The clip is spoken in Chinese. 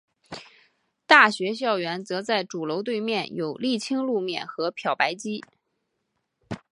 大学校园则在主楼对面有沥青路面和漂白机。